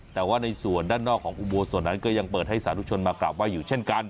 แต่ว่าในส่วนด้านนอกของอุโบสถนั้นก็ยังเปิดให้สาธุชนมากราบไห้อยู่เช่นกัน